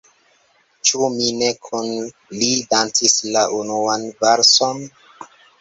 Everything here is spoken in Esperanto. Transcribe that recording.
Ĉu mi ne kun li dancis la unuan valson?